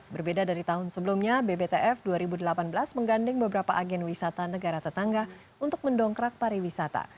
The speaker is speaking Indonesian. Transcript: berbeda dari tahun sebelumnya bbtf dua ribu delapan belas menggandeng beberapa agen wisata negara tetangga untuk mendongkrak pariwisata